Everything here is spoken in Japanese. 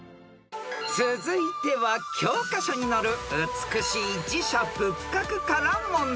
［続いては教科書に載る美しい寺社仏閣から問題］